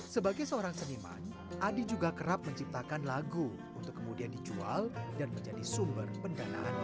sebagai seorang seniman adi juga kerap menciptakan lagu untuk kemudian dijual dan menjadi sumber pendanaan